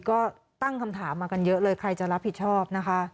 ก็ตั้งคำถามมากันเยอะเลยใครจะรับผิดชอบนะคะ